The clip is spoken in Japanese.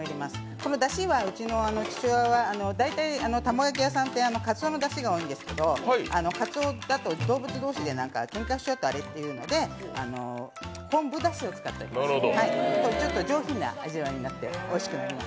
このだしは、大体玉子焼き屋さんってかつおのだしが多いんですけどかつおだと動物同士でけんかしちゃうとあれなんで昆布だしを使っています、ちょっと上品な味わいになっておいしくなります。